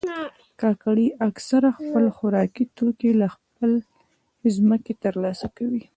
کاکړي اکثره خپل خوراکي توکي له خپلې ځمکې ترلاسه کوي.